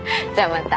また。